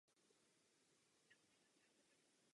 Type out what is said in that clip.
Je to bílý prášek tvořící s vodou nestabilní roztoky.